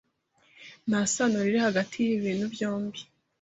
Nta sano riri hagati yibi bintu byombi.